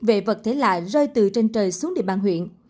về vật thể lại rơi từ trên trời xuống địa bàn huyện